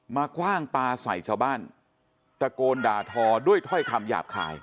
คว่างปลาใส่ชาวบ้านตะโกนด่าทอด้วยถ้อยคำหยาบคาย